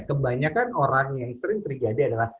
kebanyakan orang yang sering terjadi adalah